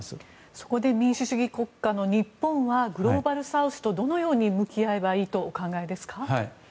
そこで民主主義国家の日本はグローバルサウスとどのように向き合えばいいとお考えですか？